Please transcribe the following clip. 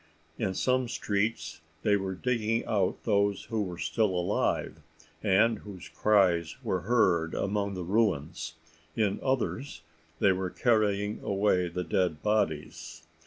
In some streets they were digging out those who were still alive, and whose cries were heard among the ruins; in others, they were carrying away the dead bodies.